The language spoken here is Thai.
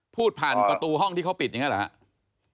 พูดผ่านประตูห้องที่เขาปิดอย่างนี้เหรอครับ